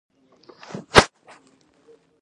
کوم ډول نیالګي په دې سیمه کې ښه وده کوي وپوښتئ.